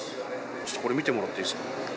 ちょっとこれ見てもらっていいですか？